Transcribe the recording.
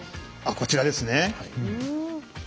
こちらですね。